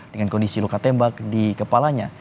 dengan kondisi luka tembak di kepalanya